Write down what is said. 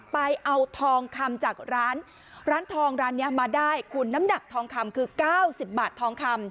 ไปเอาทองคำจากร้านร้านทองร้านนี้มาได้คุณน้ำหนักทองคำคือ๙๐บาททองคำ